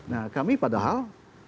nah kami padahal